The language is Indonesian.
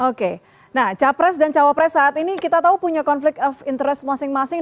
oke nah capres dan cawapres saat ini kita tahu punya conflict of interest masing masing